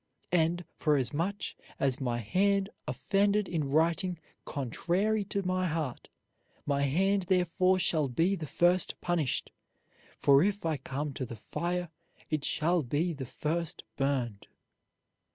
And, forasmuch as my hand offended in writing contrary to my heart, my hand therefore shall be the first punished; for if I come to the fire it shall be the first burned."